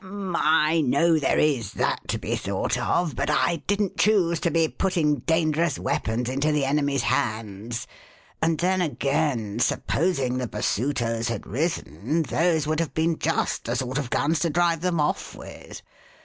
I know there is that 13 \ The Westminster Alice to be thought of, but I didn't choose to be putting dangerous weapons into the enemy's hands. And then, again, supposing the Basutos had risen, those would have been just the sort of guns to drive them off with.